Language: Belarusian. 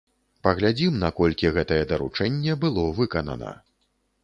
Паглядзім, наколькі гэтае даручэнне было выканана.